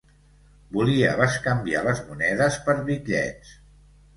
Volia bescanviar les monedes per bitllets.